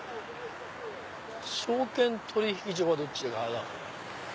証券取引所はどっち側だ？